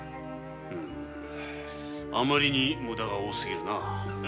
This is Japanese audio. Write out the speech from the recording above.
ウムあまりに無駄が多すぎるな。